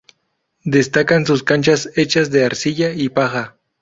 Destacan sus casas hechas de arcilla y paja.